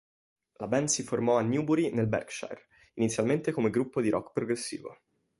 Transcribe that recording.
La band si formò a Newbury nel Berkshire, inizialmente come gruppo di rock progressivo.